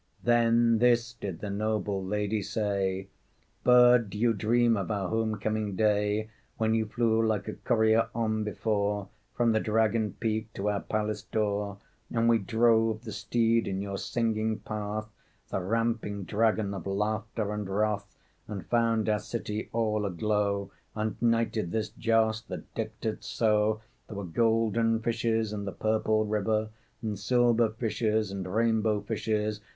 Then this did the noble lady say: "Bird, do you dream of our home coming day When you flew like a courier on before From the dragon peak to our palace door, And we drove the steed in your singing path The ramping dragon of laughter and wrath: And found our city all aglow, And knighted this joss that decked it so? There were golden fishes in the purple river And silver fishes and rainbow fishes.